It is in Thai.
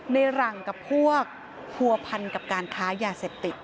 ในหลังกับพวกผัวพันกับการค้ายาเสพติด